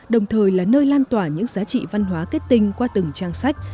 đồng thời là nơi lan tỏa những giá trị văn hóa kết tinh qua từng trang sách